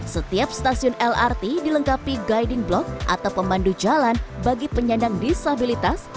setiap stasiun lrt dilengkapi guiding block atau pemandu jalan bagi penyandang disabilitas